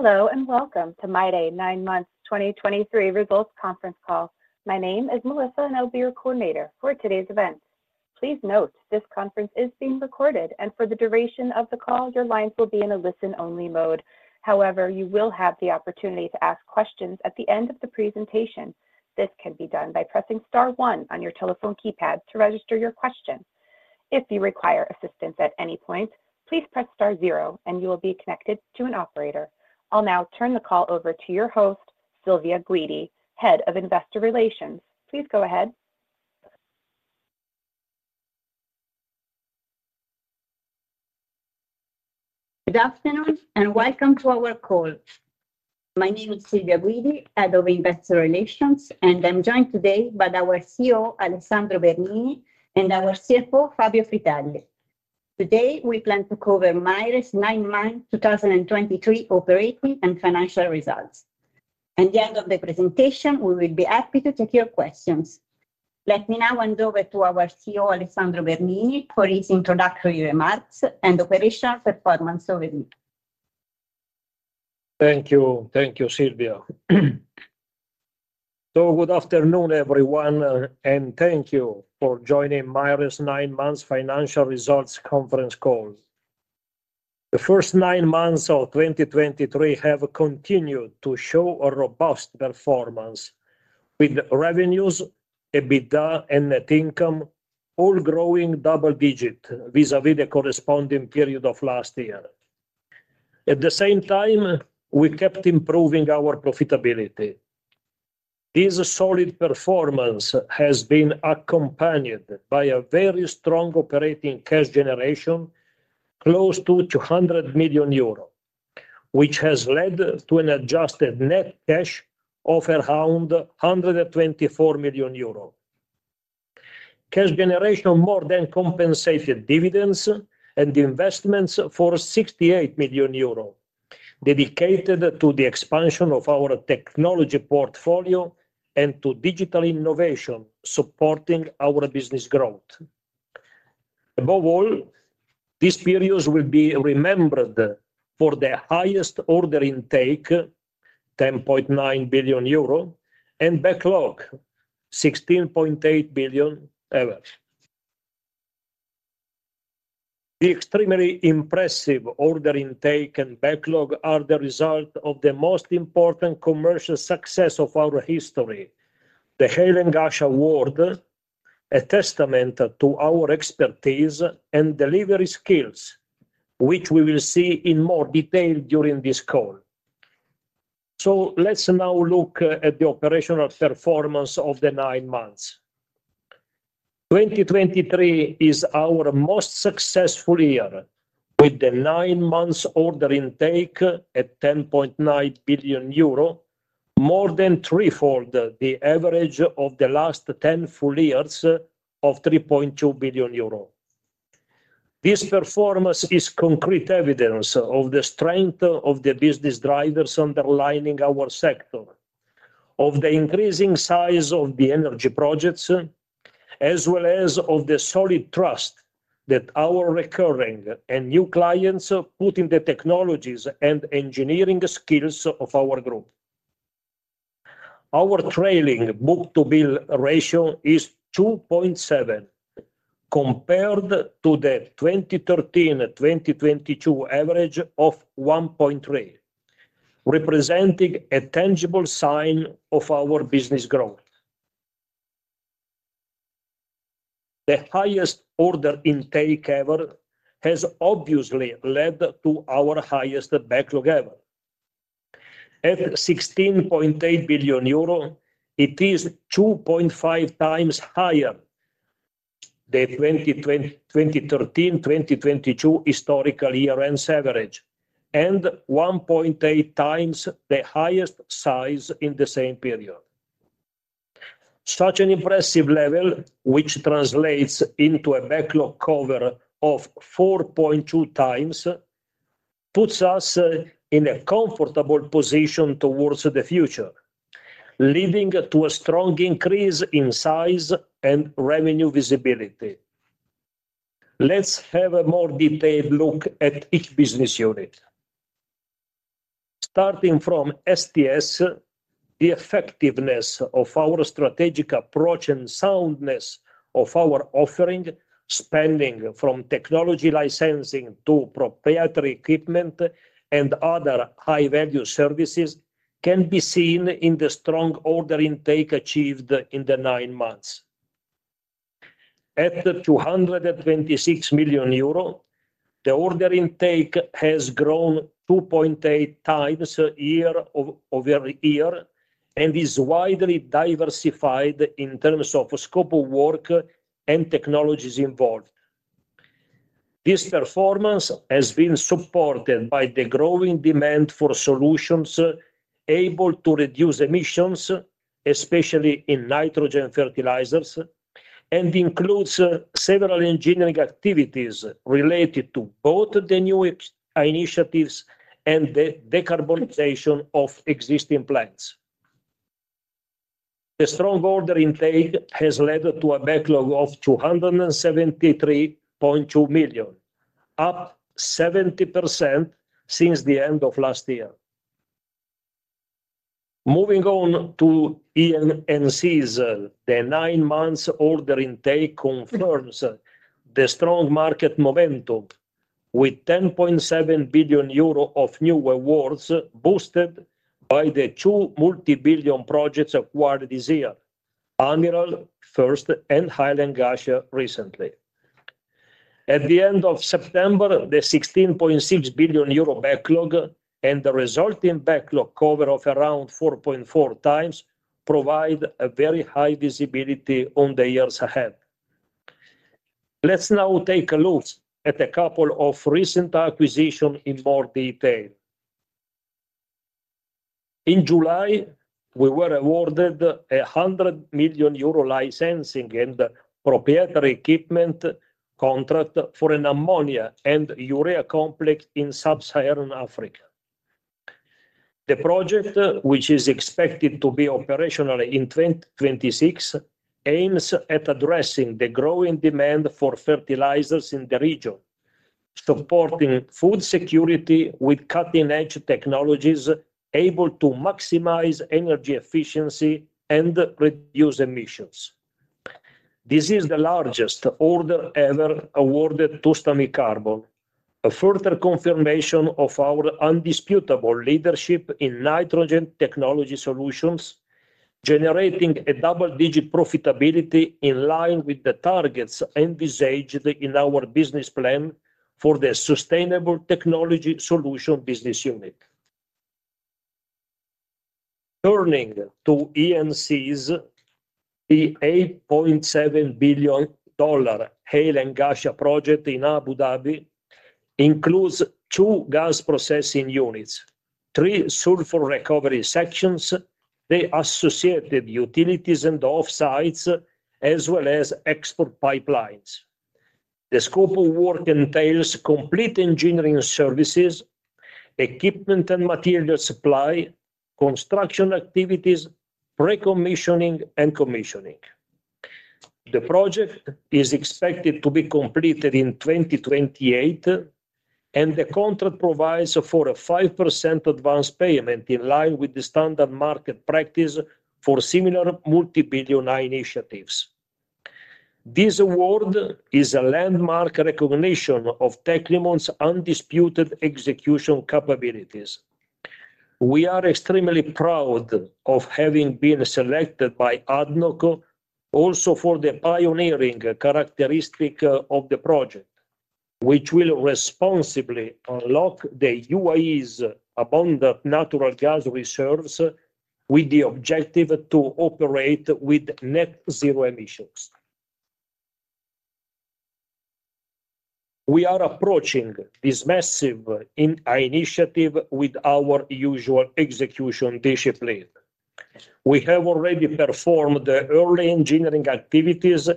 Hello, and welcome to MAIRE nine months 2023 results conference call. My name is Melissa, and I'll be your coordinator for today's event. Please note, this conference is being recorded, and for the duration of the call, your lines will be in a listen-only mode. However, you will have the opportunity to ask questions at the end of the presentation. This can be done by pressing star one on your telephone keypad to register your question. If you require assistance at any point, please press star zero and you will be connected to an operator. I'll now turn the call over to your host, Silvia Guidi, Head of Investor Relations. Please go ahead. Good afternoon, and welcome to our call. My name is Silvia Guidi, Head of Investor Relations, and I'm joined today by our CEO, Alessandro Bernini, and our CFO, Fabio Fritelli. Today, we plan to cover MAIRE's nine-month 2023 operating and financial results. At the end of the presentation, we will be happy to take your questions. Let me now hand over to our CEO, Alessandro Bernini, for his introductory remarks and operational performance overview. Thank you. Thank you, Silvia. Good afternoon, everyone, and thank you for joining MAIRE's 9 months financial results conference call. The first 9 months of 2023 have continued to show a robust performance, with revenues, EBITDA, and net income all growing double-digit vis-à-vis the corresponding period of last year. At the same time, we kept improving our profitability. This solid performance has been accompanied by a very strong operating cash generation, close to 200 million euro, which has led to an adjusted net cash of around 124 million euro. Cash generation more than compensated dividends and investments for 68 million euro, dedicated to the expansion of our technology portfolio and to digital innovation, supporting our business growth. Above all, these periods will be remembered for the highest order intake, 10.9 billion euro, and backlog, 16.8 billion. The extremely impressive order intake and backlog are the result of the most important commercial success of our history, the Hail and Ghasha award, a testament to our expertise and delivery skills, which we will see in more detail during this call. So let's now look at the operational performance of the nine months. 2023 is our most successful year, with the nine months order intake at 10.9 billion euro, more than threefold the average of the last 10 full years of 3.2 billion euro. This performance is concrete evidence of the strength of the business drivers underlining our sector, of the increasing size of the energy projects, as well as of the solid trust that our recurring and new clients put in the technologies and engineering skills of our group. Our trailing book-to-bill ratio is 2.7, compared to the 2013-2022 average of 1.3, representing a tangible sign of our business growth. The highest order intake ever has obviously led to our highest backlog ever. At 16.8 billion euro, it is 2.5 times higher than 2013-2022 historical year-ends average, and 1.8 times the highest size in the same period. Such an impressive level, which translates into a backlog cover of 4.2 times, puts us in a comfortable position towards the future, leading to a strong increase in size and revenue visibility. Let's have a more detailed look at each business unit. Starting from STS, the effectiveness of our strategic approach and soundness of our offering, spanning from technology licensing to proprietary equipment and other high-value services, can be seen in the strong order intake achieved in the nine months. At 226 million euro, the order intake has grown 2.8x year-over-year and is widely diversified in terms of scope of work and technologies involved. This performance has been supported by the growing demand for solutions able to reduce emissions, especially in nitrogen fertilizers, and includes several engineering activities related to both the new initiatives and the decarbonization of existing plants. The strong order intake has led to a backlog of 273.2 billion, up 70% since the end of last year. Moving on to E&Cs, the nine months order intake confirms the strong market momentum, with 10.7 billion euro of new awards, boosted by the two multi-billion projects acquired this year, Amiral first and Hail and Ghasha recently. At the end of September, the 16.6 billion euro backlog and the resulting backlog cover of around 4.4 times provide a very high visibility on the years ahead. Let's now take a look at a couple of recent acquisition in more detail. In July, we were awarded a 100 million euro licensing and proprietary equipment contract for an ammonia and urea complex in Sub-Saharan Africa. The project, which is expected to be operational in 2026, aims at addressing the growing demand for fertilizers in the region, supporting food security with cutting-edge technologies able to maximize energy efficiency and reduce emissions. This is the largest order ever awarded to Stamicarbon, a further confirmation of our indisputable leadership in nitrogen technology solutions, generating a double-digit profitability in line with the targets envisaged in our business plan for the Sustainable Technology Solutions business unit. Turning to E&Cs, the $8.7 billion Hail and Ghasha project in Abu Dhabi includes two gas processing units, three sulfur recovery sections, the associated utilities and offsites, as well as export pipelines. The scope of work entails complete engineering services, equipment and material supply, construction activities, pre-commissioning and commissioning. The project is expected to be completed in 2028, and the contract provides for a 5% advance payment in line with the standard market practice for similar multi-billion initiatives. This award is a landmark recognition of Tecnimont's undisputed execution capabilities. We are extremely proud of having been selected by ADNOC also for the pioneering characteristic of the project, which will responsibly unlock the UAE's abundant natural gas reserves with the objective to operate with Net Zero emissions. We are approaching this massive initiative with our usual execution discipline. We have already performed the early engineering activities,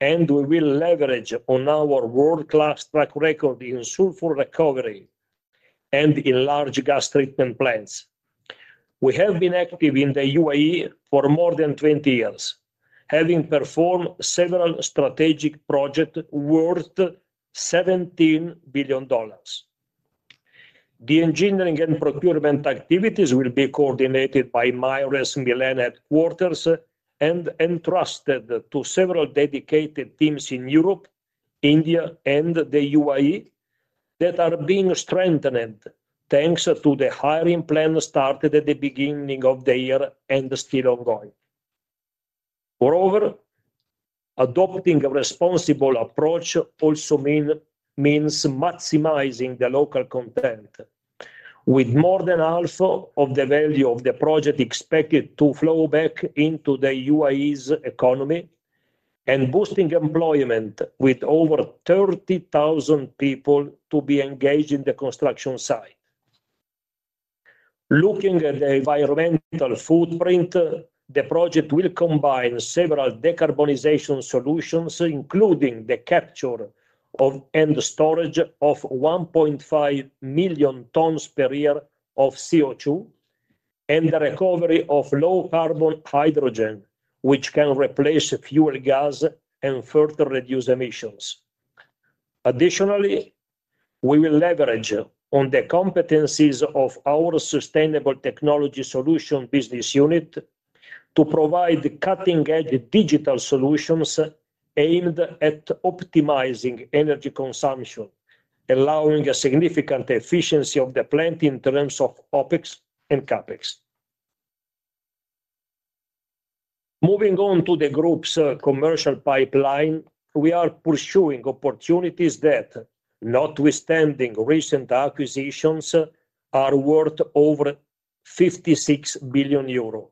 and we will leverage on our world-class track record in sulfur recovery and in large gas treatment plants. We have been active in the UAE for more than 20 years, having performed several strategic project worth $17 billion. The engineering and procurement activities will be coordinated by my Paris and Milan headquarters and entrusted to several dedicated teams in Europe, India, and the UAE, that are being strengthened, thanks to the hiring plan started at the beginning of the year and still ongoing. Moreover, adopting a responsible approach also means maximizing the local content, with more than half of the value of the project expected to flow back into the UAE's economy and boosting employment, with over 30,000 people to be engaged in the construction site. Looking at the environmental footprint, the project will combine several decarbonization solutions, including the capture and storage of 1.5 million tons per year of CO2, and the recovery of low-carbon hydrogen, which can replace fuel gas and further reduce emissions. Additionally, we will leverage on the competencies of our Sustainable Technology Solution business unit to provide cutting-edge digital solutions aimed at optimizing energy consumption, allowing a significant efficiency of the plant in terms of OpEx and CapEx. Moving on to the group's commercial pipeline, we are pursuing opportunities that, notwithstanding recent acquisitions, are worth over 56 billion euro.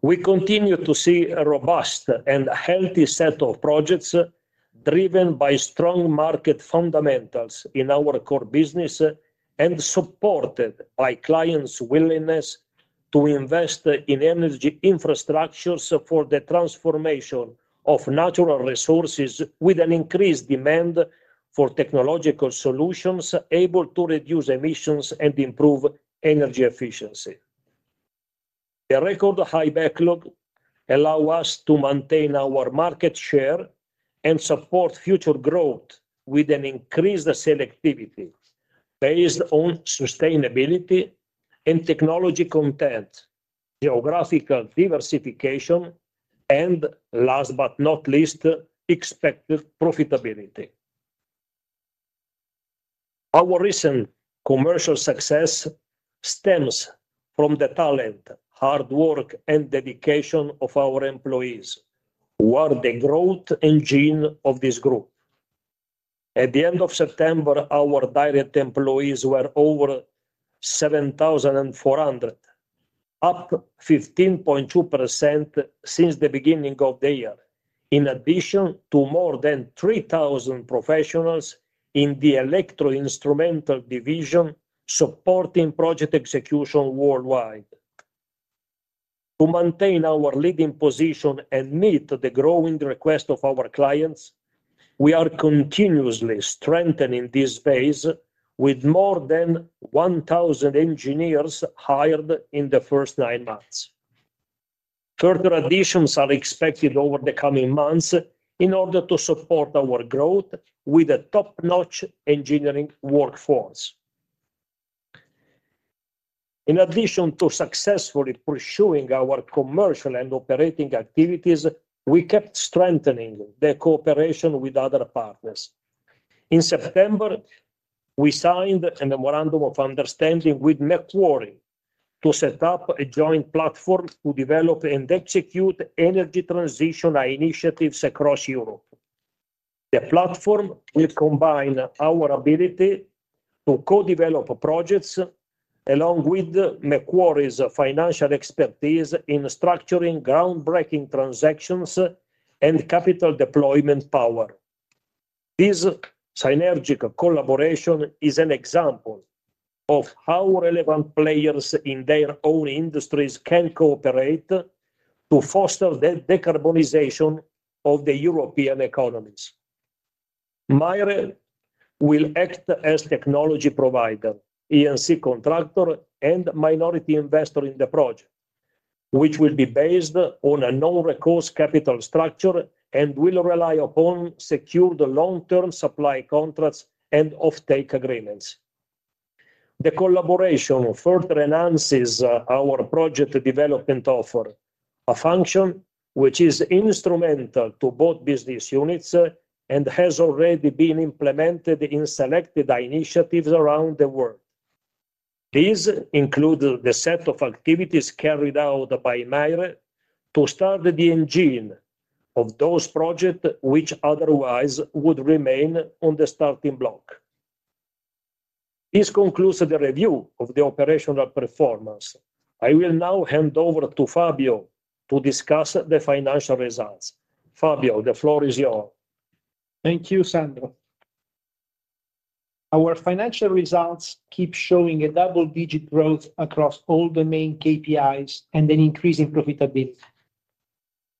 We continue to see a robust and healthy set of projects driven by strong market fundamentals in our core business, and supported by clients' willingness to invest in energy infrastructure for the transformation of natural resources, with an increased demand for technological solutions able to reduce emissions and improve energy efficiency. A record-high backlog allows us to maintain our market share and support future growth with increased selectivity, based on sustainability and technology content, geographical diversification, and last but not least, expected profitability. Our recent commercial success stems from the talent, hard work, and dedication of our employees, who are the growth engine of this group. At the end of September, our direct employees were over 7,400, up 15.2% since the beginning of the year, in addition to more than 3,000 professionals in the electro-instrumental division, supporting project execution worldwide. To maintain our leading position and meet the growing request of our clients, we are continuously strengthening this base with more than 1,000 engineers hired in the first nine months. Further additions are expected over the coming months in order to support our growth with a top-notch engineering workforce. In addition to successfully pursuing our commercial and operating activities, we kept strengthening the cooperation with other partners. In September, we signed a memorandum of understanding with Macquarie to set up a joint platform to develop and execute energy transition initiatives across Europe. The platform will combine our ability to co-develop projects, along with Macquarie's financial expertise in structuring groundbreaking transactions and capital deployment power. This synergetic collaboration is an example of how relevant players in their own industries can cooperate to foster the decarbonization of the European economies. MAIRE will act as technology provider, UPC contractor, and minority investor in the project, which will be based on a no-recourse capital structure and will rely upon secure the long-term supply contracts and offtake agreements. The collaboration further enhances our project development offer, a function which is instrumental to both business units and has already been implemented in selected initiatives around the world. These include the set of activities carried out by MAIRE to start the engine of those projects, which otherwise would remain on the starting block. This concludes the review of the operational performance. I will now hand over to Fabio to discuss the financial results. Fabio, the floor is yours. Thank you, Sandro. Our financial results keep showing a double-digit growth across all the main KPIs and an increase in profitability.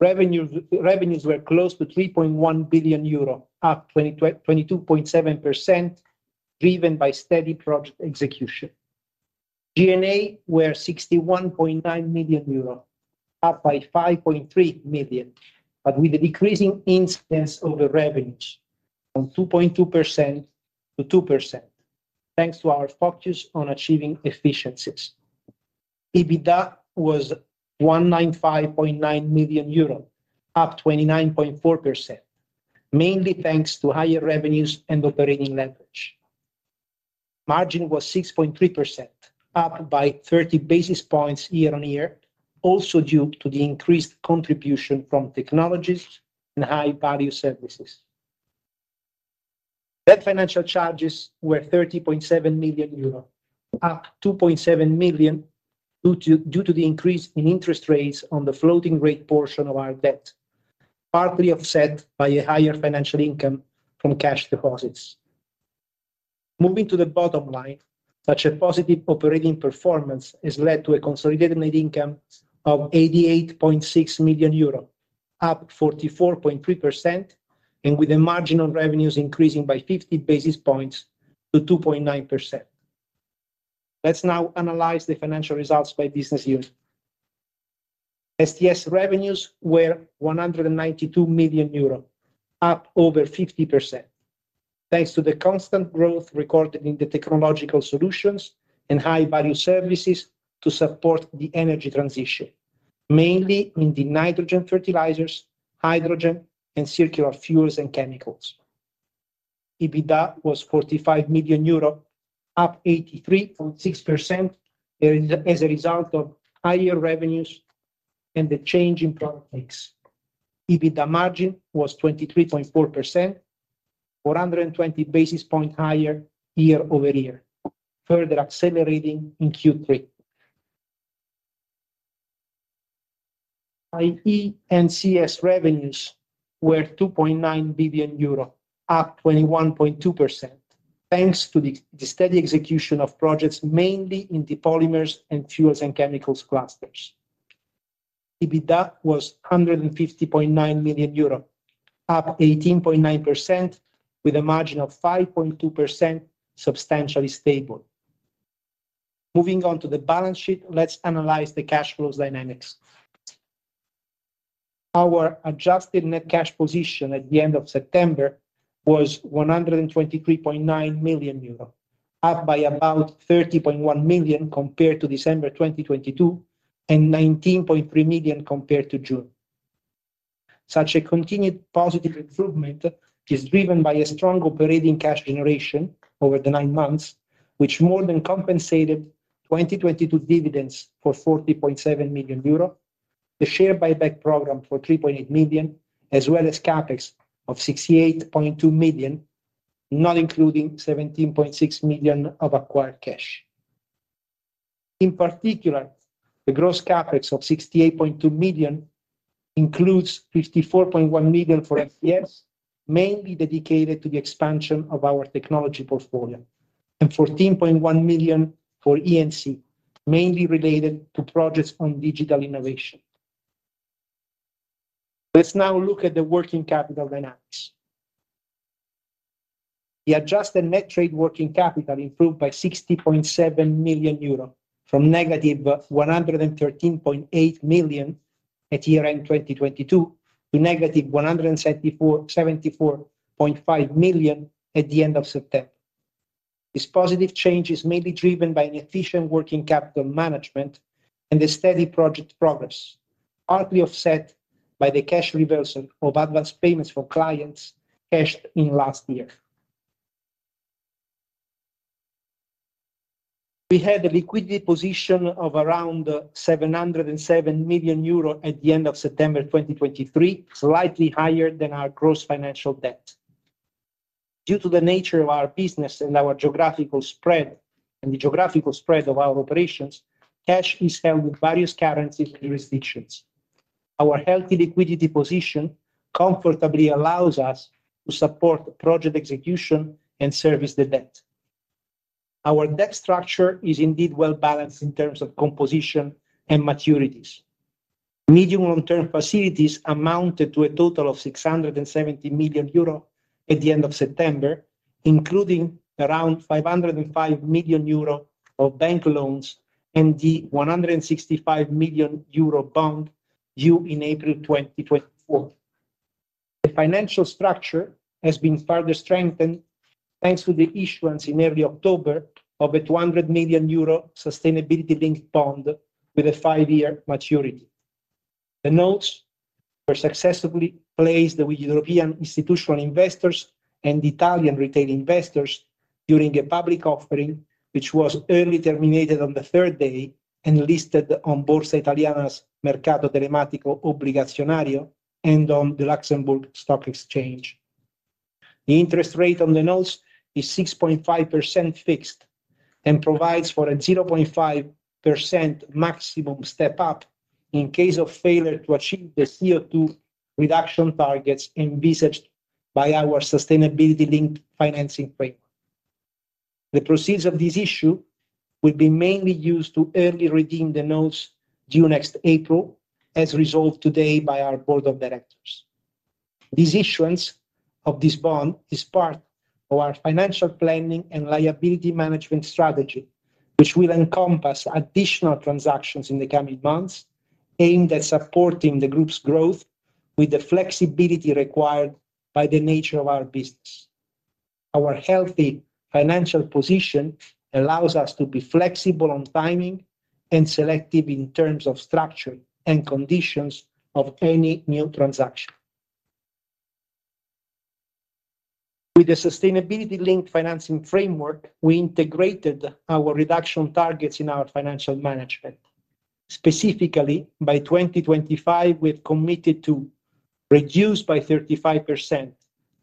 Revenue, revenues were close to 3.1 billion euro, up 22.7%, driven by steady project execution. G&A were 61.9 million euros, up by 5.3 million, but with a decreasing incidence over revenues from 2.2% to 2%, thanks to our focus on achieving efficiencies. EBITDA was 195.9 million euros, up 29.4%, mainly thanks to higher revenues and operating leverage. Margin was 6.3%, up by 30 basis points year-on-year, also due to the increased contribution from technologies and high-value services. Net financial charges were 30.7 million euro, up 2.7 million, due to the increase in interest rates on the floating rate portion of our debt, partly offset by a higher financial income from cash deposits. Moving to the bottom line, such a positive operating performance has led to a consolidated net income of 88.6 million euros, up 44.3%, and with a margin on revenues increasing by 50 basis points to 2.9%. Let's now analyze the financial results by business unit. STS revenues were 192 million euros, up over 50%, thanks to the constant growth recorded in the technological solutions and high-value services to support the energy transition, mainly in the nitrogen fertilizers, hydrogen, and circular fuels and chemicals. EBITDA was 45 million euro, up 83.6%, as a result of higher revenues and the change in product mix. EBITDA margin was 23.4%, 420 basis points higher year-over-year, further accelerating in Q3. IE&CS revenues were 2.9 billion euro, up 21.2%, thanks to the steady execution of projects, mainly in the polymers and fuels and chemicals clusters. EBITDA was 150.9 million euro, up 18.9% with a margin of 5.2%, substantially stable. Moving on to the balance sheet, let's analyze the cash flows dynamics. Our adjusted net cash position at the end of September was 123.9 million euros, up by about 30.1 million compared to December 2022, and 19.3 million compared to June. Such a continued positive improvement is driven by a strong operating cash generation over the nine months, which more than compensated 2022 dividends for 40.7 million euro, the share buyback program for 3.8 million, as well as CapEx of 68.2 million, not including 17.6 million of acquired cash. In particular, the gross CapEx of 68.2 million includes 54.1 million for STS, mainly dedicated to the expansion of our technology portfolio, and 14.1 million for E&C, mainly related to projects on digital innovation. Let's now look at the working capital dynamics. The adjusted net trade working capital improved by 60.7 million euros, from negative 113.8 million at year-end 2022, to negative 174.5 million at the end of September. This positive change is mainly driven by an efficient working capital management and the steady project progress, partly offset by the cash reversal of advanced payments for clients cashed in last year. We had a liquidity position of around 707 million euro at the end of September 2023, slightly higher than our gross financial debt. Due to the nature of our business and our geographical spread, and the geographical spread of our operations, cash is held with various currency jurisdictions. Our healthy liquidity position comfortably allows us to support project execution and service the debt. Our debt structure is indeed well-balanced in terms of composition and maturities. Medium-long term facilities amounted to a total of 670 million euro at the end of September, including around 505 million euro of bank loans and the 165 million euro bond due in April 2024. The financial structure has been further strengthened, thanks to the issuance in early October of a 200 million euro sustainability-linked bond with a five-year maturity. The notes were successfully placed with European institutional investors and Italian retail investors during a public offering, which was early terminated on the 3rd day and listed on Borsa Italiana's Mercato Telematico Azionario, and on the Luxembourg Stock Exchange. The interest rate on the notes is 6.5% fixed, and provides for a 0.5% maximum step up in case of failure to achieve the CO2 reduction targets envisaged by our sustainability-linked financing framework. The proceeds of this issue will be mainly used to early redeem the notes due next April, as resolved today by our board of directors. This issuance of this bond is part of our financial planning and liability management strategy, which will encompass additional transactions in the coming months, aimed at supporting the group's growth with the flexibility required by the nature of our business. Our healthy financial position allows us to be flexible on timing and selective in terms of structure and conditions of any new transaction. With the Sustainability-Linked financing framework, we integrated our reduction targets in our financial management. Specifically, by 2025, we've committed to reduce by 35%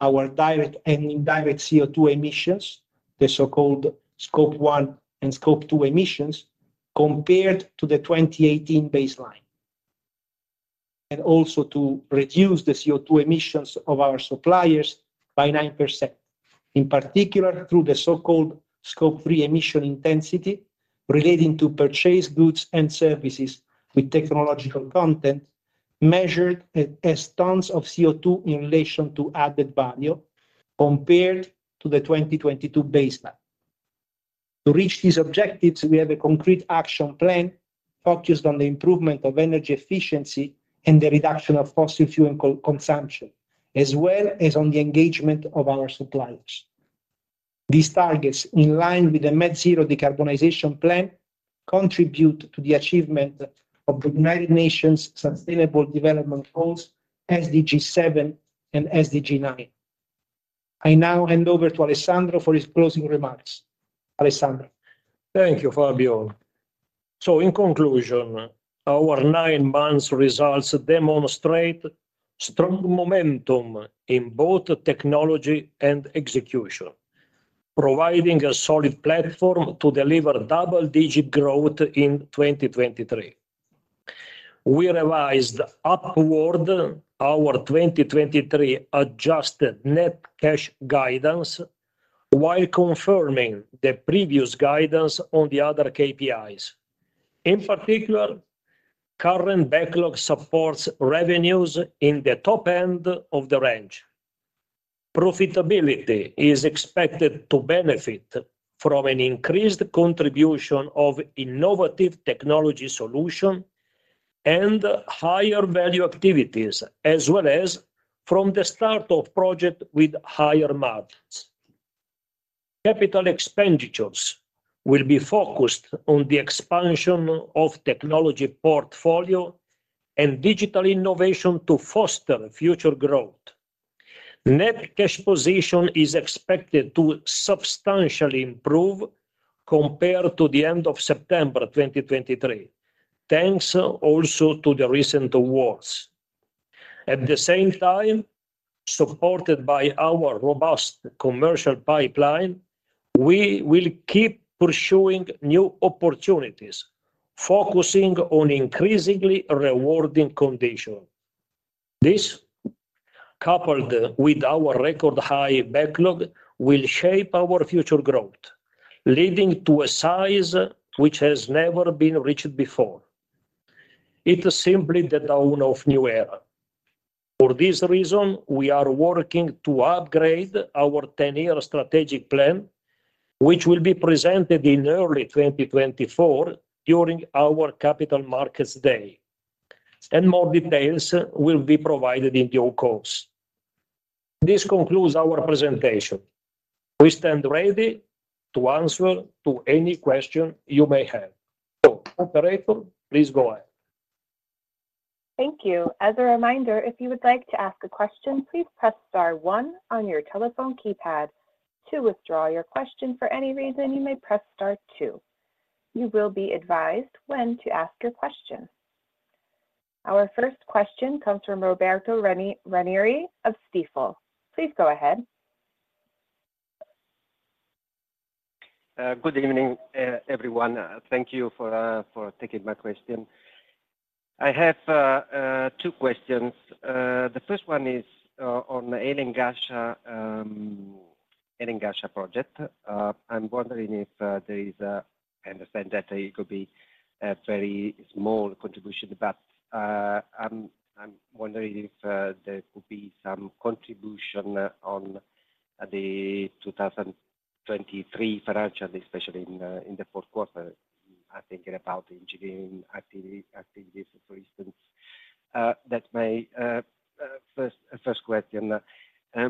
our direct and indirect CO2 emissions, the so-called Scope 1 and Scope 2 emissions, compared to the 2018 baseline, and also to reduce the CO2 emissions of our suppliers by 9%, in particular, through the so-called Scope 3 emission intensity relating to purchased goods and services with technological content, measured as tons of CO2 in relation to added value compared to the 2022 baseline. To reach these objectives, we have a concrete action plan focused on the improvement of energy efficiency and the reduction of fossil fuel consumption, as well as on the engagement of our suppliers. These targets, in line with the net zero decarbonization plan, contribute to the achievement of the United Nations Sustainable Development Goals, SDG 7 and SDG 9. I now hand over to Alessandro for his closing remarks. Alessandro? Thank you, Fabio. So in conclusion, our 9 months results demonstrate strong momentum in both technology and execution, providing a solid platform to deliver double-digit growth in 2023. We revised upward our 2023 adjusted net cash guidance, while confirming the previous guidance on the other KPIs. In particular, current backlog supports revenues in the top end of the range. Profitability is expected to benefit from an increased contribution of innovative technology solution and higher value activities, as well as from the start of project with higher margins. Capital expenditures will be focused on the expansion of technology portfolio and digital innovation to foster future growth. Net cash position is expected to substantially improve compared to the end of September 2023, thanks also to the recent awards. At the same time, supported by our robust commercial pipeline, we will keep pursuing new opportunities, focusing on increasingly rewarding condition. This, coupled with our record high backlog, will shape our future growth, leading to a size which has never been reached before. It is simply the dawn of new era. For this reason, we are working to upgrade our 10-year strategic plan, which will be presented in early 2024 during our Capital Markets Day, and more details will be provided in due course. This concludes our presentation. We stand ready to answer to any question you may have. So, operator, please go ahead. Thank you. As a reminder, if you would like to ask a question, please press star one on your telephone keypad. To withdraw your question for any reason, you may press star two. You will be advised when to ask your question. Our first question comes from Roberto Ranieri of Stifel. Please go ahead. Good evening, everyone. Thank you for taking my question. I have two questions. The first one is on the Hail and Ghasha Liquide project. I'm wondering if there is a... I understand that it could be a very small contribution, but I'm wondering if there could be some contribution on the 2023 financials, especially in the fourth quarter. I'm thinking about engineering activities, for instance. That's my first question.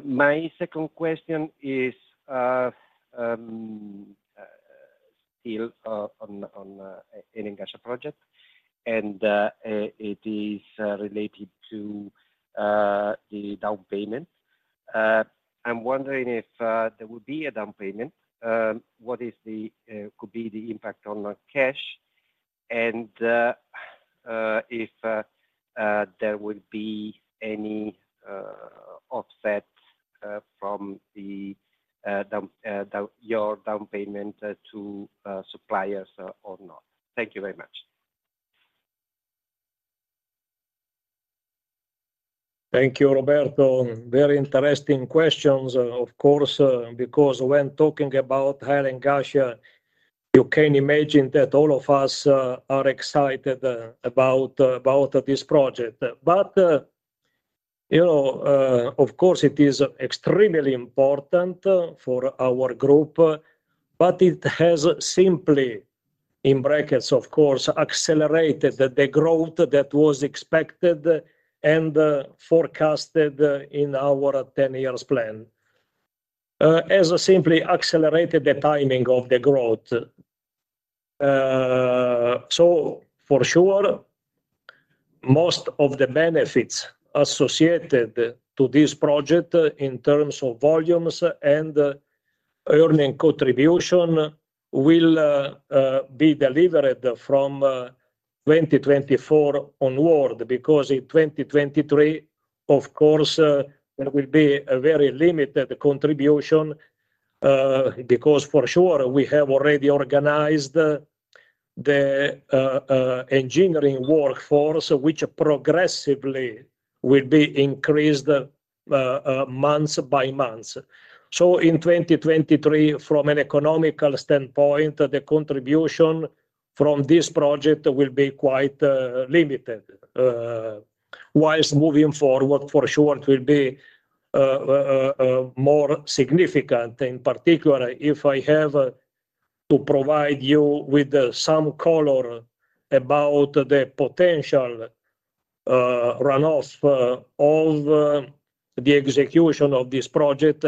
My second question is still on the Hail and Ghasha project, and it is related to the down payment. I'm wondering if there will be a down payment, what could be the impact on the cash, and if there would be any offsets from the down payment to suppliers or not? Thank you very much. Thank you, Roberto. Very interesting questions, of course, because when talking about Air Liquide, you can imagine that all of us are excited about this project. But you know, of course, it is extremely important for our group, but it has simply, in brackets, of course, accelerated the growth that was expected and forecasted in our 10-year plan. As simply accelerated the timing of the growth. So for sure, most of the benefits associated to this project in terms of volumes and earning contribution will be delivered from 2024 onward, because in 2023, of course, there will be a very limited contribution, because for sure, we have already organized the engineering workforce, which progressively will be increased month by month. So in 2023, from an economical standpoint, the contribution from this project will be quite, limited. Whilst moving forward, for sure, it will be more significant. In particular, if I have to provide you with some color about the potential runoff of the execution of this project,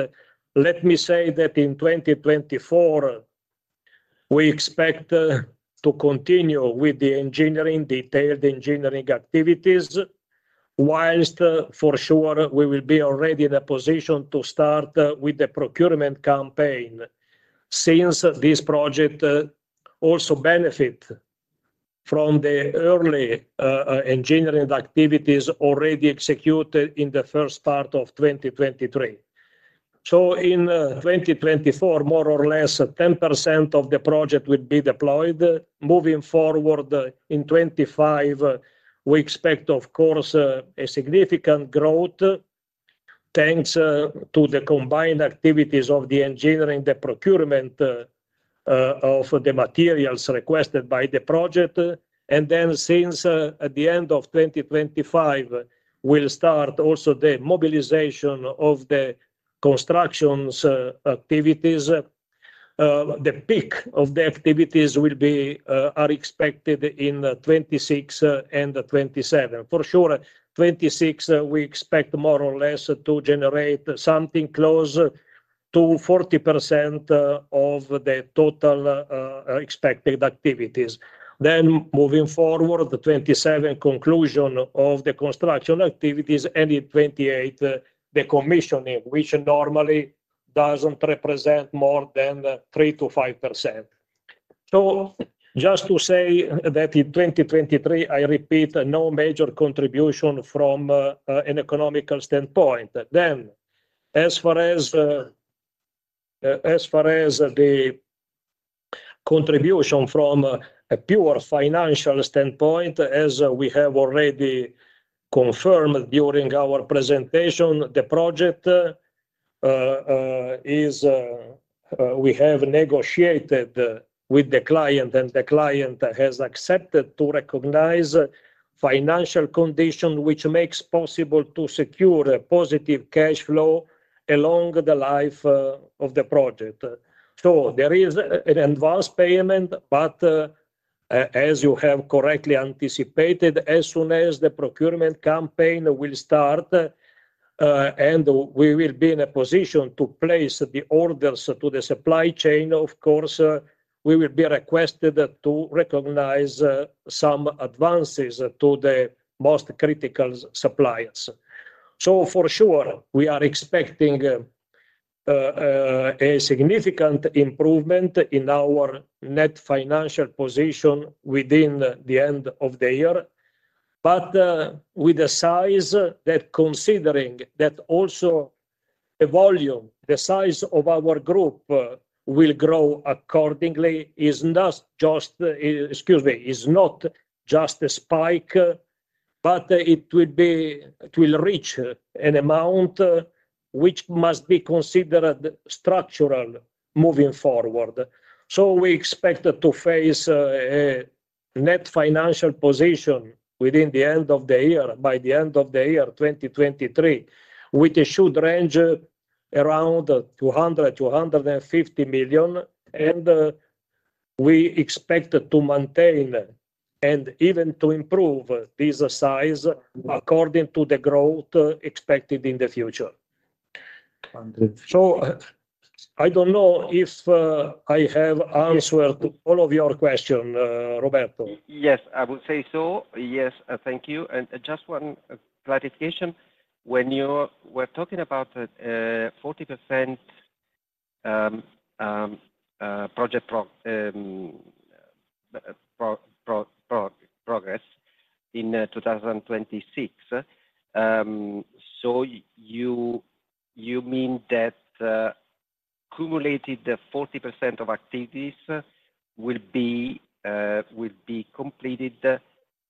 let me say that in 2024, we expect to continue with the engineering, detailed engineering activities, whilst for sure we will be already in a position to start with the procurement campaign, since this project also benefit from the early engineering activities already executed in the first part of 2023. So in 2024, more or less, 10% of the project will be deployed. Moving forward, in 2025, we expect, of course, a significant growth. Thanks to the combined activities of the engineering, the procurement, of the materials requested by the project. And then since at the end of 2025, we'll start also the mobilization of the constructions, activities. The peak of the activities will be, are expected in 2026 and 2027. For sure, 2026, we expect more or less to generate something closer to 40% of the total expected activities. Then moving forward, the 2027, conclusion of the construction activities, and in 2028, the commissioning, which normally doesn't represent more than 3%-5%. So just to say that in 2023, I repeat, no major contribution from an economic standpoint. Then, as far as the contribution from a pure financial standpoint, as we have already confirmed during our presentation, the project we have negotiated with the client, and the client has accepted to recognize a financial condition which makes possible to secure a positive cash flow along the life of the project. So there is an advanced payment, but as you have correctly anticipated, as soon as the procurement campaign will start and we will be in a position to place the orders to the supply chain, of course we will be requested to recognize some advances to the most critical suppliers. So for sure, we are expecting a significant improvement in our net financial position within the end of the year. With the size, considering that also the volume, the size of our group will grow accordingly, is not just, excuse me, is not just a spike, but it will reach an amount which must be considered structural moving forward. We expect to face a net financial position within the end of the year, by the end of the year 2023, which should range around 200 million-250 million, and we expect to maintain and even to improve this size according to the growth expected in the future. 150. I don't know if I have answered all of your question, Roberto. Yes, I would say so. Yes, thank you. And just one clarification. When you were talking about 40%, project progress in 2026, you mean that cumulated 40% of activities will be completed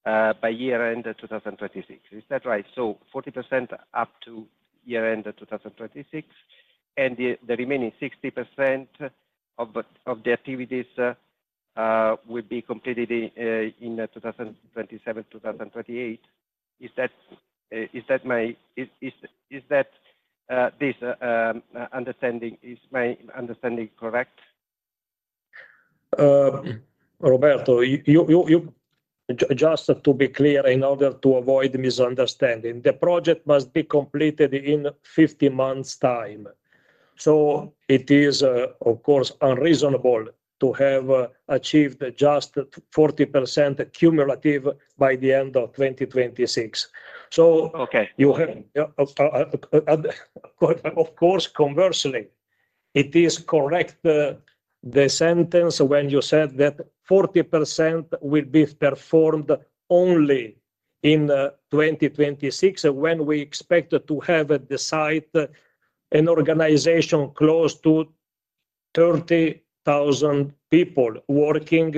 by year end 2026? Is that right? 40% up to year end 2026, and the remaining 60% of the activities will be completed in 2027, 2028. Is that my... Is that, this understanding, is my understanding correct? Roberto, you just to be clear, in order to avoid misunderstanding, the project must be completed in 50 months' time. So it is, of course, unreasonable to have achieved just 40% cumulative by the end of 2026. So- Okay. Of course, conversely, it is correct, the sentence when you said that 40% will be performed only in 2026, when we expect to have at the site an organization close to 30,000 people working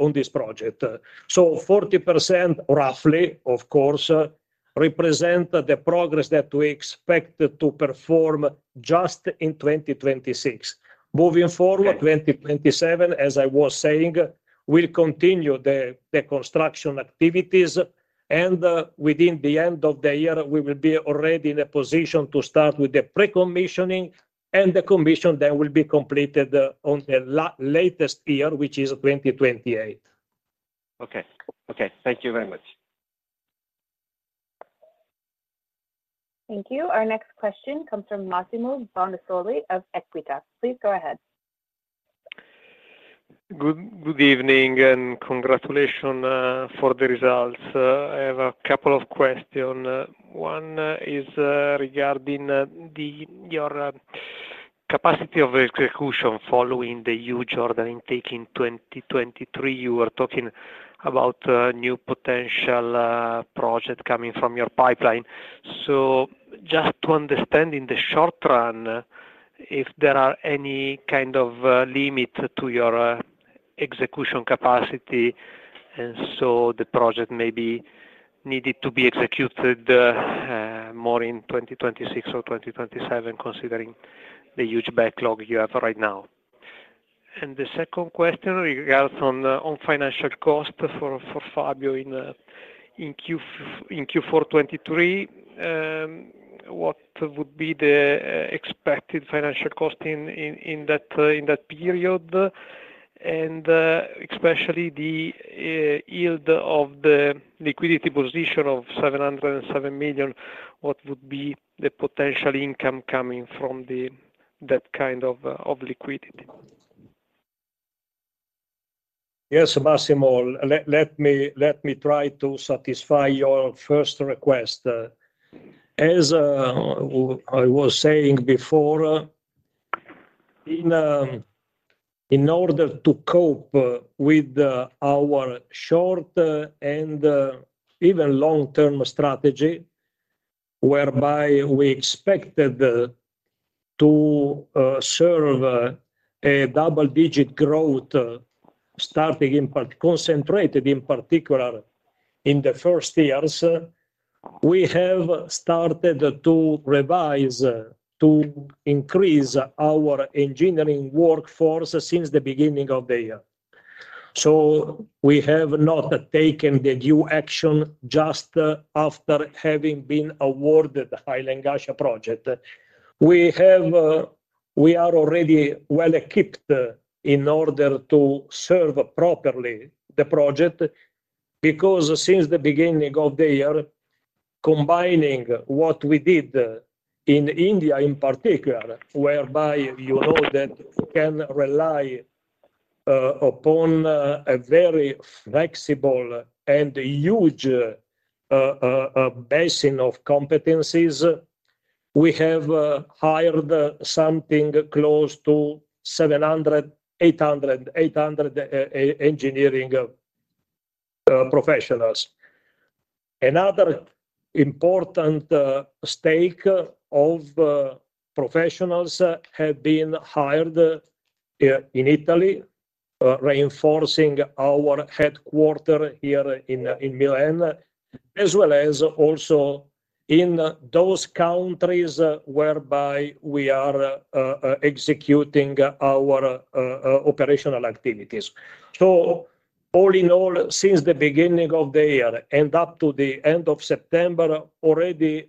on this project. So 40%, roughly, of course, represent the progress that we expect to perform just in 2026. Okay. Moving forward, 2027, as I was saying, we'll continue the construction activities, and within the end of the year, we will be already in a position to start with the pre-commissioning, and the commission then will be completed on the latest year, which is 2028. Okay. Okay, thank you very much. Thank you. Our next question comes from Massimo Bonisoli of Equita. Please go ahead. Good evening, and congratulations for the results. I have a couple of questions. One is regarding your capacity of execution following the huge order intake in 2023. You were talking about new potential projects coming from your pipeline. Just to understand in the short run, if there are any kind of limit to your execution capacity, and so the project may be needed to be executed more in 2026 or 2027, considering the huge backlog you have right now. And the second question regards on the financial cost for Fabio in Q4 2023, what would be the expected financial cost in that period? Especially the yield of the liquidity position of 707 million, what would be the potential income coming from that kind of liquidity? Yes, Massimo, let me try to satisfy your first request. As I was saying before, in order to cope with our short and even long-term strategy, whereby we expected to serve a double-digit growth, starting in particular in the first years, we have started to revise to increase our engineering workforce since the beginning of the year. So we have not taken the due action just after having been awarded the Hail and Ghasha project. We have, we are already well-equipped, in order to serve properly the project, because since the beginning of the year, combining what we did, in India in particular, whereby you know that we can rely upon, a very flexible and huge, basin of competencies, we have, hired, something close to 700, 800, 800, engineering professionals. Another important, stake of, professionals, have been hired, here in Italy, reinforcing our headquarters here in, in Milan, as well as also in those countries, whereby we are, executing, our, operational activities. All in all, since the beginning of the year and up to the end of September, already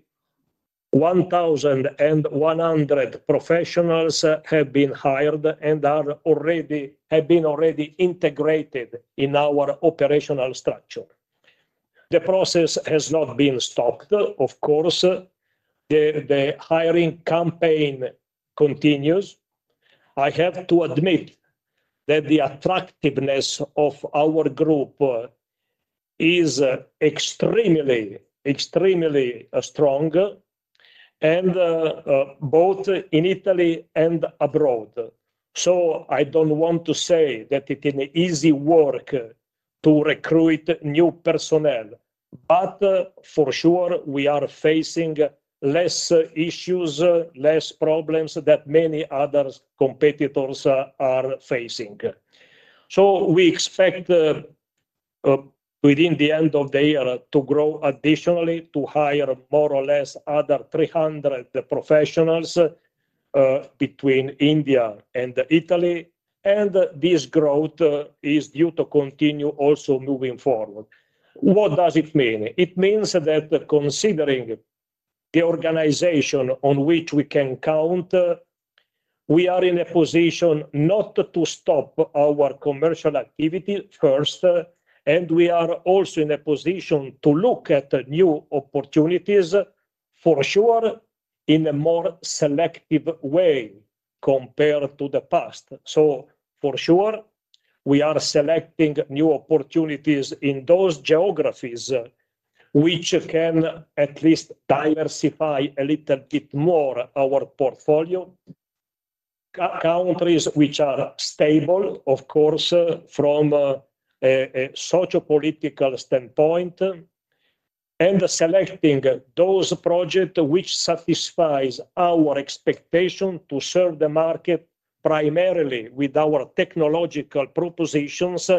1,100 professionals have been hired and are already integrated in our operational structure. The process has not been stopped. Of course, the hiring campaign continues. I have to admit that the attractiveness of our group is extremely, extremely strong, both in Italy and abroad. I don't want to say that it's an easy work to recruit new personnel, but for sure, we are facing less issues, less problems than many other competitors are facing. So we expect, within the end of the year to grow additionally, to hire more or less other 300 professionals, between India and Italy, and this growth is due to continue also moving forward. What does it mean? It means that considering the organization on which we can count, we are in a position not to stop our commercial activity first, and we are also in a position to look at new opportunities, for sure, in a more selective way compared to the past. So for sure, we are selecting new opportunities in those geographies, which can at least diversify a little bit more our portfolio. Countries which are stable, of course, from a socio-political standpoint, and selecting those projects which satisfies our expectation to serve the market, primarily with our technological propositions,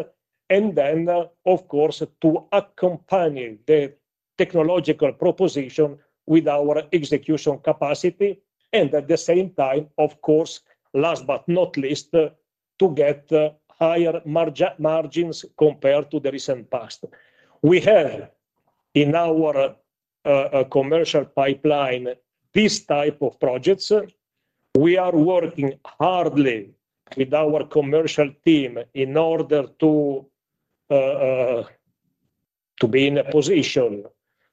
and then, of course, to accompany the technological proposition with our execution capacity, and at the same time, of course, last but not least, to get higher margins compared to the recent past. We have in our commercial pipeline this type of projects, we are working hard with our commercial team in order to be in a position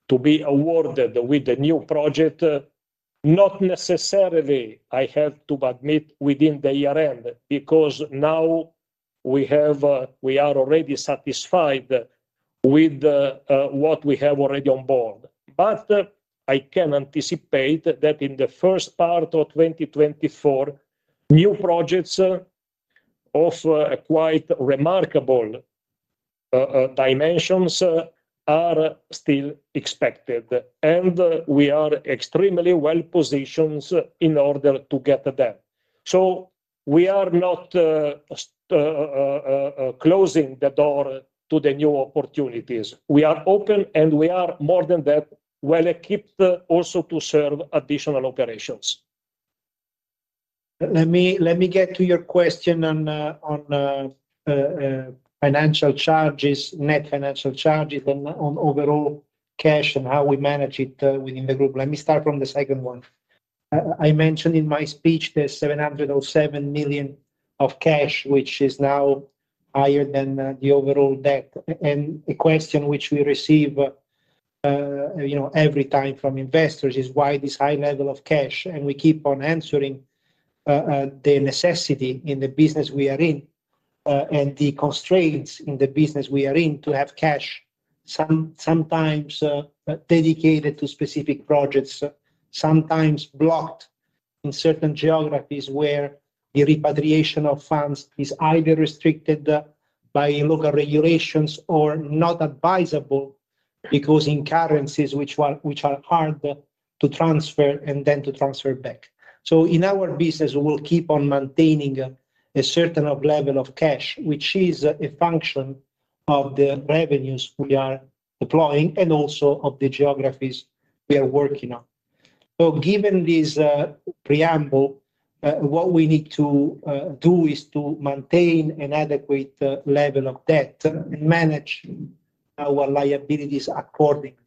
to be awarded with the new project, not necessarily, I have to admit, within the year end, because now we have, we are already satisfied with what we have already on board. I can anticipate that in the first part of 2024, new projects of a quite remarkable-... dimensions are still expected, and we are extremely well positioned in order to get them. So we are not just closing the door to the new opportunities. We are open, and we are, more than that, well-equipped also to serve additional operations. Let me get to your question on financial charges, net financial charges, and on overall cash and how we manage it within the group. Let me start from the second one. I mentioned in my speech the 707 million of cash, which is now higher than the overall debt. A question which we receive, you know, every time from investors is, "Why this high level of cash?" We keep on answering the necessity in the business we are in and the constraints in the business we are in to have cash, sometimes dedicated to specific projects, sometimes blocked in certain geographies where the repatriation of funds is either restricted by local regulations or not advisable, because in currencies which are hard to transfer and then to transfer back. In our business, we will keep on maintaining a certain level of cash, which is a function of the revenues we are deploying and also of the geographies we are working on. Given this preamble, what we need to do is to maintain an adequate level of debt and manage our liabilities accordingly.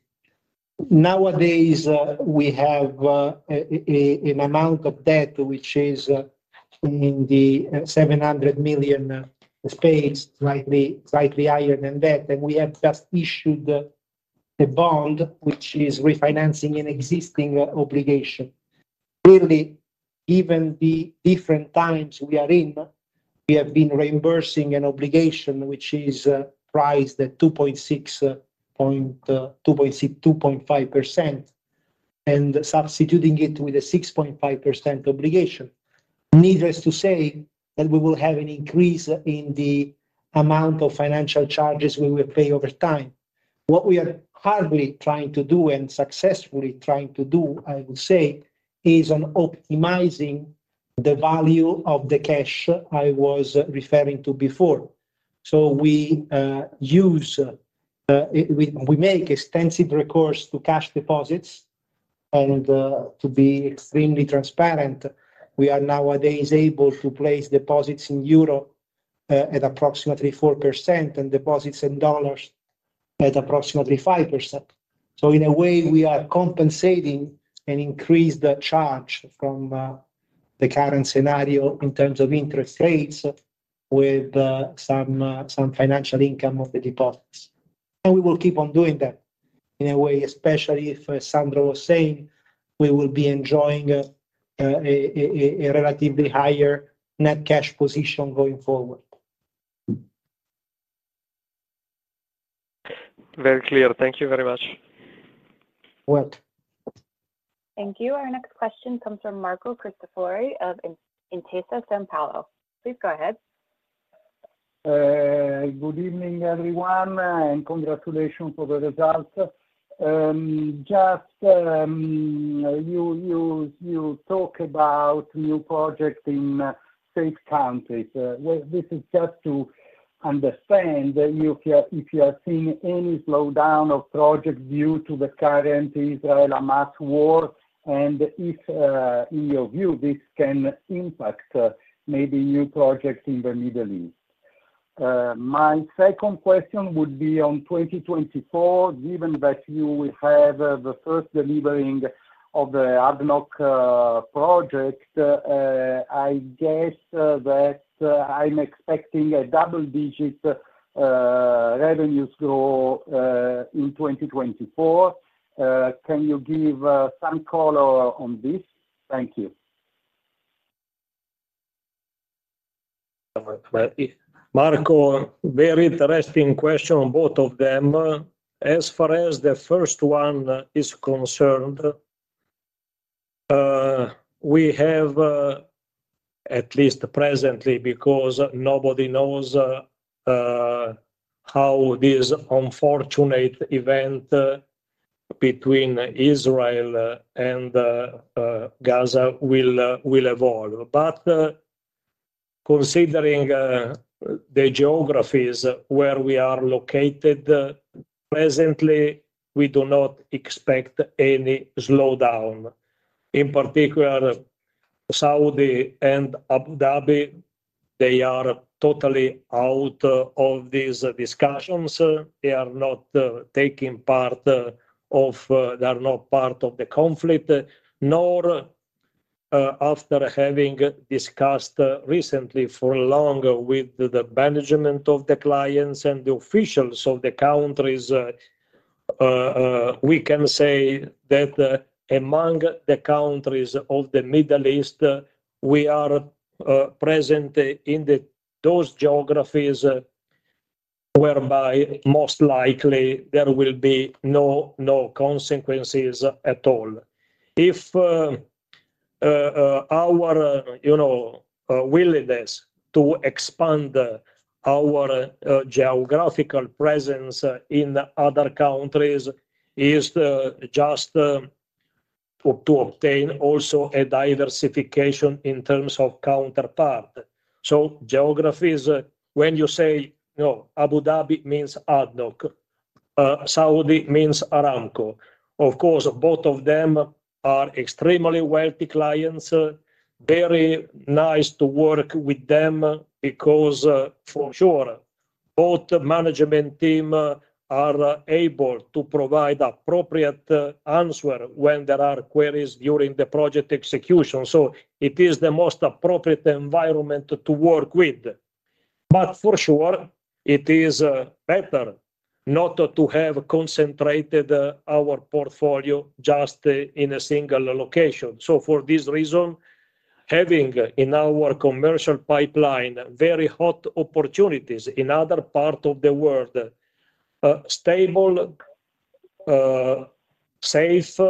Nowadays, we have an amount of debt which is in the 700 million space, slightly higher than that, and we have just issued a bond, which is refinancing an existing obligation. Really, even the different times we are in, we have been reimbursing an obligation, which is priced at 2.6%, 2.5%, and substituting it with a 6.5% obligation. Needless to say, that we will have an increase in the amount of financial charges we will pay over time. What we are hardly trying to do and successfully trying to do, I would say, is on optimizing the value of the cash I was referring to before. So we use it, we make extensive recourse to cash deposits, and to be extremely transparent, we are nowadays able to place deposits in Europe at approximately 4% and deposits in dollars at approximately 5%. So in a way, we are compensating and increase the charge from the current scenario in terms of interest rates with some financial income of the deposits. And we will keep on doing that in a way, especially if, as Sandro was saying, we will be enjoying a relatively higher net cash position going forward. Very clear. Thank you very much. Welcome. Thank you. Our next question comes from Marco Cristofori of Intesa Sanpaolo. Please go ahead. Good evening, everyone, and congratulations for the results. Just, you talk about new projects in safe countries. Well, this is just to understand if you are seeing any slowdown of projects due to the current Israel-Hamas war, and if, in your view, this can impact, maybe, new projects in the Middle East. My second question would be on 2024. Given that you will have the first delivering of the ADNOC project, I guess that I'm expecting a double-digit revenues growth in 2024. Can you give some color on this? Thank you. Marco, very interesting question on both of them. As far as the first one is concerned, we have, at least presently, because nobody knows how this unfortunate event between Israel and Gaza will evolve. Considering the geographies where we are located, presently, we do not expect any slowdown. In particular, Saudi and Abu Dhabi, they are totally out of these discussions. They are not taking part of—they are not part of the conflict, nor, after having discussed recently for long with the management of the clients and the officials of the countries, we can say that, among the countries of the Middle East, we are present in those geographies whereby most likely there will be no, no consequences at all. If, uh- Our willingness to expand our geographical presence in other countries is just to obtain also a diversification in terms of counterpart. Geographies, you know, when you say Abu Dhabi means ADNOC, Saudi means Aramco. Of course, both of them are extremely wealthy clients. Very nice to work with them, because for sure, both management team are able to provide appropriate answer when there are queries during the project execution. It is the most appropriate environment to work with. For sure, it is better not to have concentrated our portfolio just in a single location. So for this reason, having in our commercial pipeline very hot opportunities in other parts of the world, stable, safe,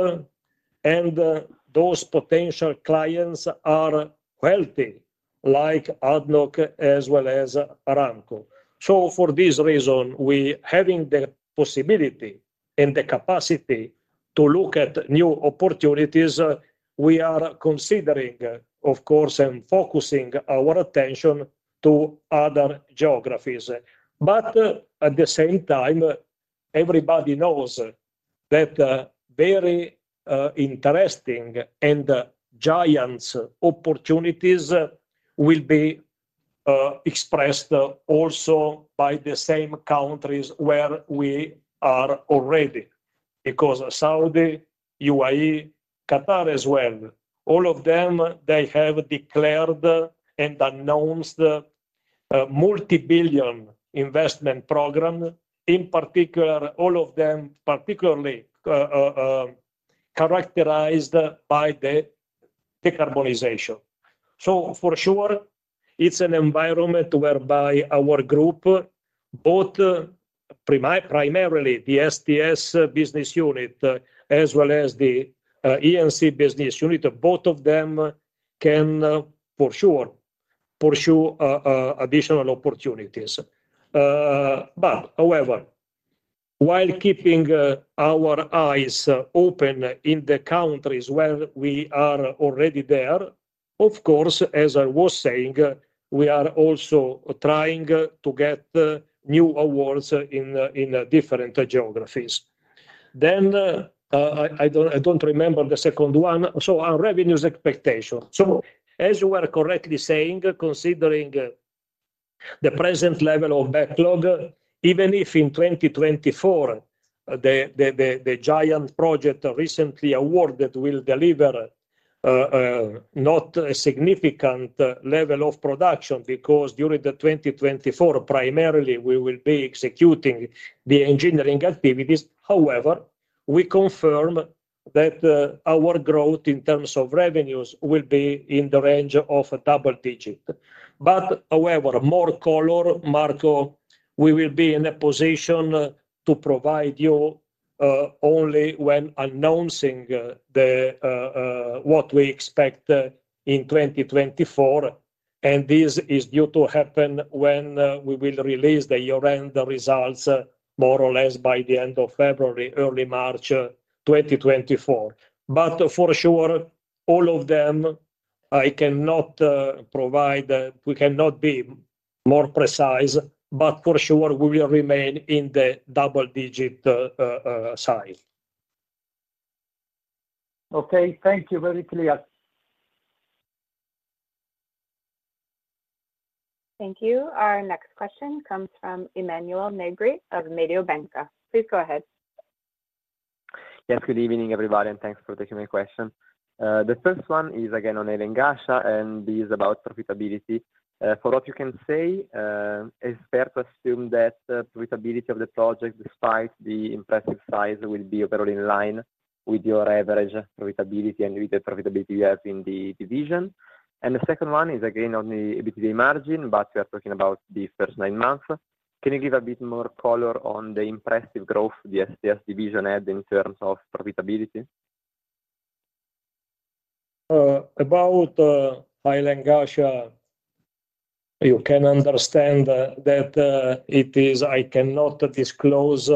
and those potential clients are wealthy, like ADNOC as well as Aramco. So for this reason, we having the possibility and the capacity to look at new opportunities, we are considering, of course, and focusing our attention to other geographies. But at the same time, everybody knows that very interesting and giant opportunities will be expressed also by the same countries where we are already. Because Saudi, UAE, Qatar as well, all of them, they have declared and announced a multi-billion investment program. In particular, all of them, particularly characterized by the decarbonization. So for sure, it's an environment whereby our group, both, primarily the STS business unit, as well as the E&C business unit, both of them can for sure pursue additional opportunities. But however, while keeping our eyes open in the countries where we are already there, of course, as I was saying, we are also trying to get new awards in different geographies. Then, I don't remember the second one. So our revenues expectation. So as you were correctly saying, considering the present level of backlog, even if in 2024, the giant project recently awarded will deliver not a significant level of production, because during the 2024, primarily, we will be executing the engineering activities. However, we confirm that our growth in terms of revenues will be in the range of a double digit. However, more color, Marco, we will be in a position to provide you only when announcing what we expect in 2024, and this is due to happen when we will release the year-end results, more or less by the end of February, early March, 2024. For sure, all of them, I cannot provide... We cannot be more precise, but for sure, we will remain in the double digit size. Okay, thank you. Very clear. Thank you. Our next question comes from Emanuele Negri of Mediobanca. Please go ahead. Yes, good evening, everybody, and thanks for taking my question. The first one is again on Hail and Ghasha, and this is about profitability. For what you can say, is fair to assume that the profitability of the project, despite the impressive size, will be overall in line with your average profitability and with the profitability you have in the division? And the second one is again on the EBITDA margin, but we are talking about the first nine months. Can you give a bit more color on the impressive growth the STS division had in terms of profitability? About Hail and Ghasha, you can understand that it is, I cannot disclose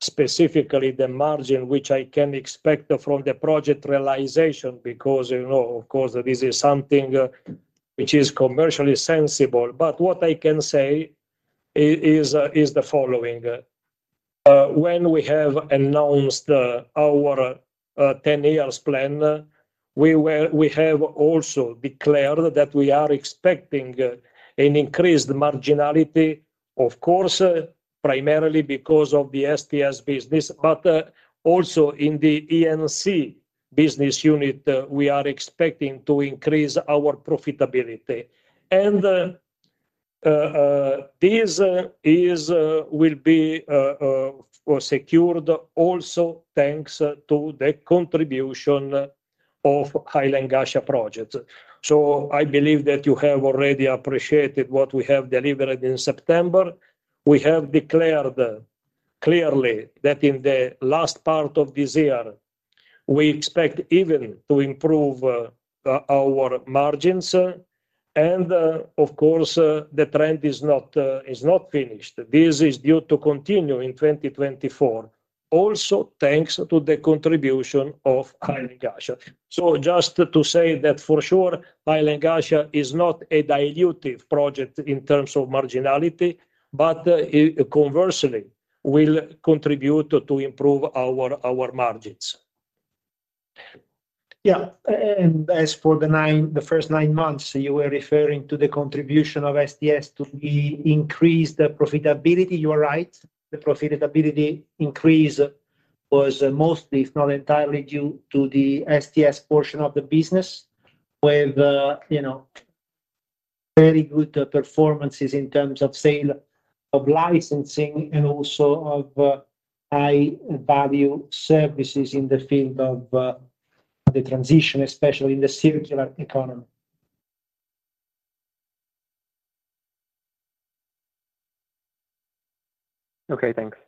specifically the margin which I can expect from the project realization, because, you know, of course, this is something which is commercially sensitive. But what I can say is the following: When we have announced our 10-year plan, we have also declared that we are expecting an increased marginality, of course, primarily because of the STS business, but also in the E&C business unit, we are expecting to increase our profitability. This is will be secured also thanks to the contribution of Hail and Ghasha project. So I believe that you have already appreciated what we have delivered in September. We have declared... Clearly that in the last part of this year, we expect even to improve the, our margins. And, of course, the trend is not, is not finished. This is due to continue in 2024, also thanks to the contribution of Hail and Ghasha. So just to say that for sure, Hail and Ghasha is not a dilutive project in terms of marginality, but, it conversely will contribute to improve our, our margins. Yeah. And as for the 9, the first 9 months, you were referring to the contribution of STS to the increased profitability. You are right, the profitability increase was mostly, if not entirely, due to the STS portion of the business, with, you know, very good performances in terms of sale of licensing and also of, high value services in the field of, the transition, especially in the circular economy. Okay, thanks.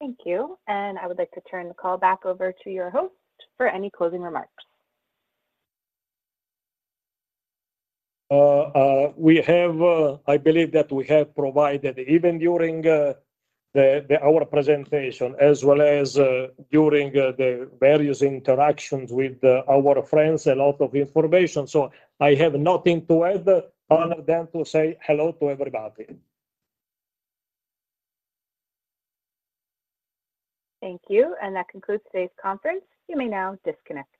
Thank you. I would like to turn the call back over to your host for any closing remarks. We have, I believe that we have provided, even during the, the, our presentation, as well as during the various interactions with our friends, a lot of information. I have nothing to add other than to say hello to everybody. Thank you, and that concludes today's conference. You may now disconnect.